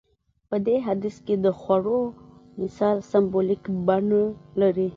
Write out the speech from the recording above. په دې حديث کې د خوړو مثال سمبوليکه بڼه لري.